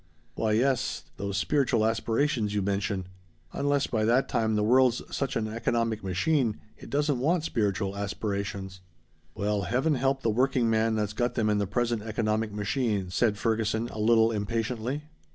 "Why yes, those spiritual aspirations you mention." "Unless by that time the world's such an economic machine it doesn't want spiritual aspirations." "Well Heaven help the working man that's got them in the present economic machine," said Ferguson a little impatiently.